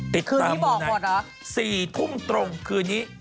ติดตามมูนไนด์สี่ทุ่มตรงคืนนี้คืนนี้บอกหมดหรอ